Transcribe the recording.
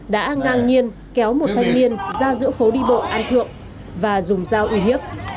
đã ngang nhiên kéo một thanh niên ra giữa phố đi bộ an thượng và dùng dao uy hiếp